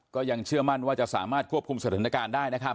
ก็ยังเชื่อมั่นว่าจะสามารถควบคุมสถานการณ์ได้นะครับ